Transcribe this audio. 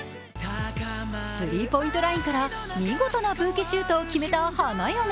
スリーポイントラインから見事なブーケシュートを決めた花嫁。